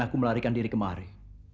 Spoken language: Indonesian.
aku melarikan diri kemari